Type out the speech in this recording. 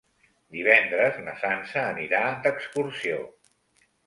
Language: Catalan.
Divendres na Sança anirà d'excursió.